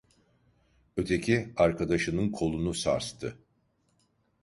Öteki, arkadaşının kolunu sarstı.